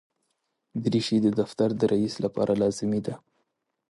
دریشي د دفتر د رئیس لپاره لازمي ده.